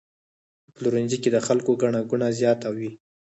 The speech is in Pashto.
په پلورنځي کې د خلکو ګڼه ګوڼه زیاته وي.